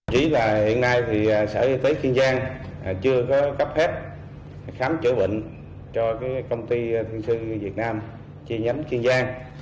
chỉ là hiện nay thì sở y tế kiên giang chưa có cấp hết khám chữa bệnh cho công ty thiên sư việt nam chi nhánh kiên giang